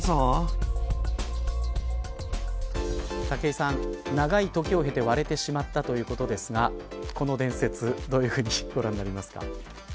武井さん、長い時を経て割れてしまったということですがこの伝説どういうふうにご覧になりますか。